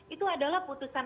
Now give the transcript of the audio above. itu adalah putusan